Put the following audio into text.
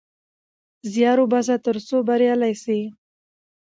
زيار وباسه ترڅو بريالی سې